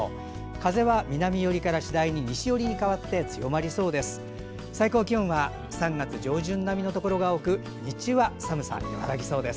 風は南寄りから、次第に西寄りに変わって強まりそうです。